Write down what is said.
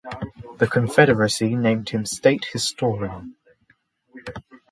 The Confederacy named him state historian.